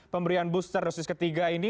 pemberian booster dosis ketiga ini